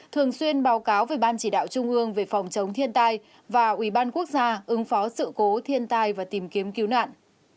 thường xuyên báo cáo về ban chỉ đạo trung ương về phòng chống thiên tai và ủy ban quốc gia ứng phó sự cố thiên tai và tìm kiếm cứu nạn